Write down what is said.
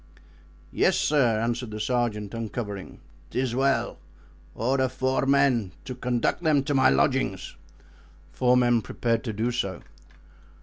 "Yes, sir," answered the sergeant, uncovering. "'Tis well; order four men to conduct them to my lodging." Four men prepared to do so.